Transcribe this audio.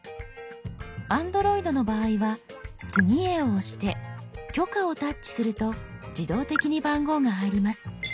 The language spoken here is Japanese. Ａｎｄｒｏｉｄの場合は「次へ」を押して「許可」をタッチすると自動的に番号が入ります。